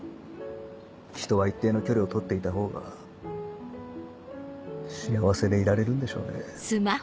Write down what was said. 人は一定の距離を取っていた方が幸せでいられるんでしょうね。